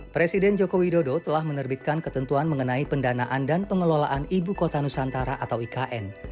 presiden joko widodo telah menerbitkan ketentuan mengenai pendanaan dan pengelolaan ibu kota nusantara atau ikn